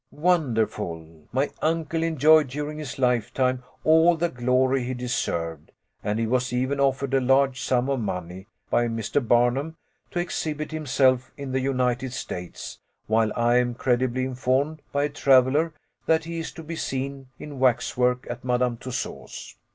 Wonderful! My uncle enjoyed during his lifetime all the glory he deserved; and he was even offered a large sum of money, by Mr. Barnum, to exhibit himself in the United States; while I am credibly informed by a traveler that he is to be seen in waxwork at Madame Tussaud's!